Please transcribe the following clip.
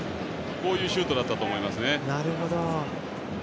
そういうシュートだったと思いますね。